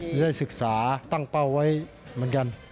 จะได้ศึกษาตั้งเป้าไว้เหมือนกัน